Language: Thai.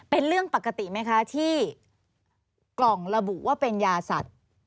เป็นเรื่องปกติไหมคะที่กล่องระบุว่าเป็นยาสัตว์